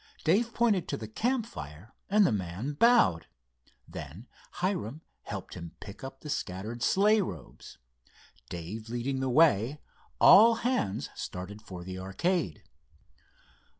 Dave pointed to the campfire, and the man bowed. Then Hiram helped him pick up the scattered sleigh robes. Dave leading the way, all hands started for the arcade.